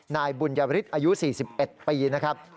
นายบุญริตอายุ๔๑ปีนะครับ